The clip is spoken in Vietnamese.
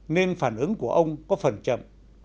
nên phản ứng của ông có phần chậm